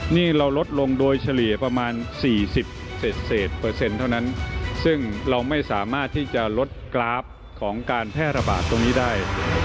นี่เราลดลงโดยเฉลี่ยประมาณ๔๐เศษเปอร์เซ็นต์เท่านั้นซึ่งเราไม่สามารถที่จะลดกราฟของการแพร่ระบาดตรงนี้ได้